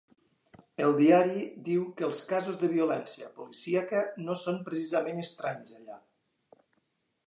El diari diu que “els casos de violència policíaca no són precisament estranys allà”.